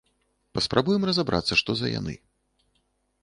Паспрабуем разабрацца, што за яны.